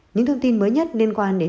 những thông tin mới nhất liên quan đến